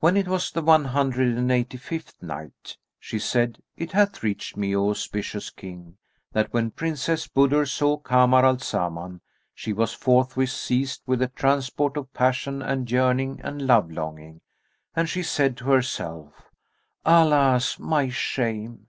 When it was the One Hundred and Eighty fifth Night, She said, It hath reached me, O auspicious King, that when Princess Budur saw Kamar al Zaman she was forthwith seized with a transport of passion and yearning and love longing, and she said to herself, "Alas, my shame!